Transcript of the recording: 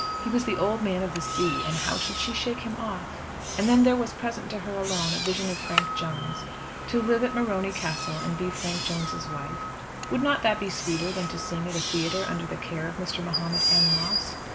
He was the Old Man of the Sea, and how should she shake him off? And then there was present to her alone a vision of Frank Jones. To live at Morony Castle and be Frank Jones's wife, would not that be sweeter than to sing at a theatre under the care of Mr. Mahomet M. Moss?